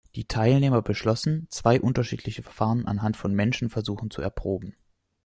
Die Teilnehmer beschlossen, zwei unterschiedliche Verfahren anhand von Menschenversuchen zu erproben.